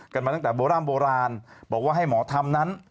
กันมาตั้งแต่โบราณบอกว่าให้หมอธรรมนั้น